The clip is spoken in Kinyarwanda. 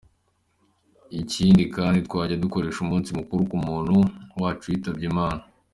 Ikindi kandi, twajya dukoresha umunsi mukuru ko umuntu wacu yitabye imana.